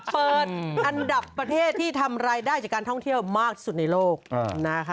เปิดอันดับประเทศที่ทำรายได้จากการท่องเที่ยวมากสุดในโลกนะคะ